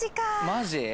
マジ？